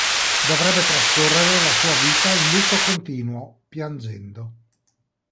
Dovrebbe trascorrere la sua vita in lutto continuo, piangendo.